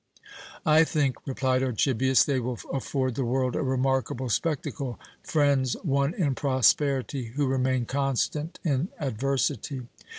"I think," replied Archibius, "they will afford the world a remarkable spectacle; friends won in prosperity who remain constant in adversity."